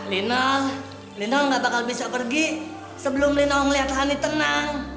lino lino gak bakal bisa pergi sebelum lino ngeliat honey tenang